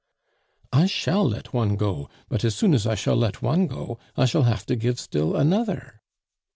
"I shall let one go, but as soon as I shall let one go, I shall hafe to give still another."